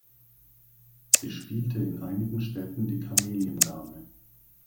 Sie spielte in einigen Städten die Kameliendame.